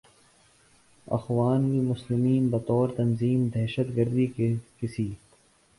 اخوان المسلمین بطور تنظیم دہشت گردی کے کسی